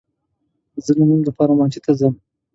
زه دلمونځ لپاره مسجد ته ځم